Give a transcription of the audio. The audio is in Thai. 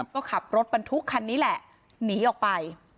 ก็ขับรถบรรทุกคันนี้แหละหนีออกไป